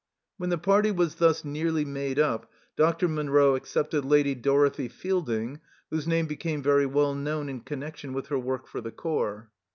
When the party was thus nearly made up Dr. Munro accepted Lady Dorothie Feilding, whose name became very well known in connection with her work for the corps.